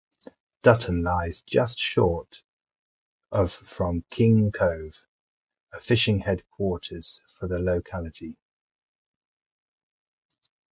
Dutton lies just short of from King Cove, a fishing headquarters for the locality.